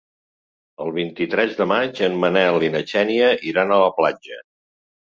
El vint-i-tres de maig en Manel i na Xènia iran a la platja.